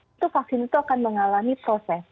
itu vaksin itu akan mengalami proses